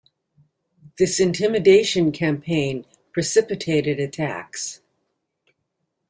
This intimidation campaign precipitated attacks.